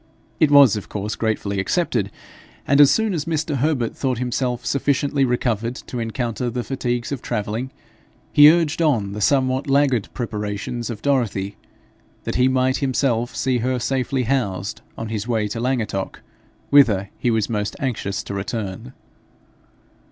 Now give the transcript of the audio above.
It was of course gratefully accepted, and as soon as Mr. Herbert thought himself sufficiently recovered to encounter the fatigues of travelling, he urged on the somewhat laggard preparations of Dorothy, that he might himself see her safely housed on his way to Llangattock, whither he was most anxious to return.